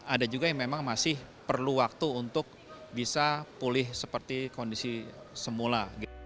ada juga yang memang masih perlu waktu untuk bisa pulih seperti kondisi semula